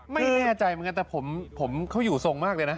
ไม่แน่ใจเหมือนกันแต่ผมเขาอยู่ทรงมากเลยนะ